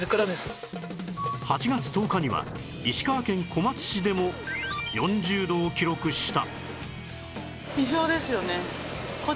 ８月１０日には石川県小松市でも４０度を記録した